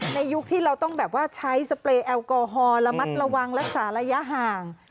ยุคที่เราต้องแบบว่าใช้สเปรย์แอลกอฮอล์ระมัดระวังรักษาระยะห่าง